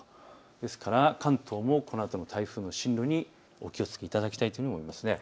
ですから関東もこのあとの台風の進路にお気をつけいただきたいと思います。